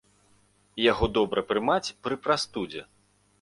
Яго добра прымаць пры прастудзе.